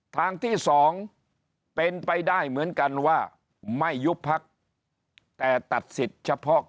ทางที่๒เป็นไปได้เหมือนกันว่าไม่ยุบพักแต่ตัดสิทธิ์เฉพาะ